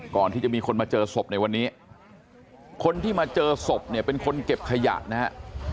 ก่อนที่จะมีคนมาเจอศพในวันนี้คนที่มาเจอศพเนี่ยเป็นคนเก็บขยะนะฮะ